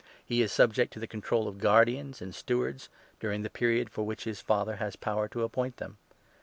He is subject to the control of guardians 2 and stewards, during the period for which his father has power to appoint them.